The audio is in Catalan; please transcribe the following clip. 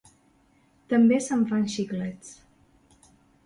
També se'n fan xiclets.